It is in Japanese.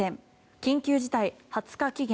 緊急事態、２０日期限。